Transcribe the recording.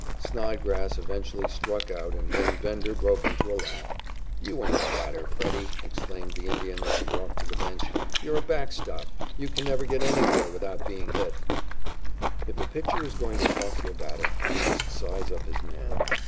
Snodgrass eventually struck out and then Bender broke into a laugh. "You ain't a batter, Freddie," exclaimed the Indian, as he walked to the bench. "You're a backstop. You can never get anywhere without being hit." If a pitcher is going to talk to a batter, he must size up his man.